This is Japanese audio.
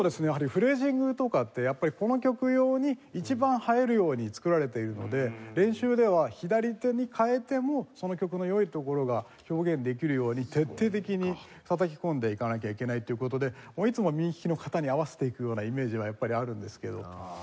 フレージングとかってやっぱりこの曲用に一番映えるように作られているので練習では左手に変えてもその曲の良いところが表現できるように徹底的に叩き込んでいかなきゃいけないという事でいつも右ききの方に合わせていくようなイメージはやっぱりあるんですけど。